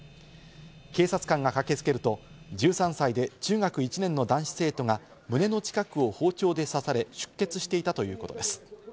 警察官が駆けつけると、１３歳で中学１年の男子生徒が胸の近くを包丁で刺され出血していたということです。